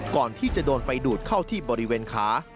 ก่อนที่จะโดนไฟดูดเข้าที่บริเวณขา